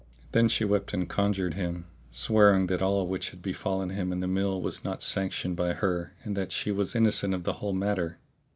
Then she wept and conjured him, swearing that all which had befallen him in the mill was not sanctioned by her and that she was innocent of the whole matter.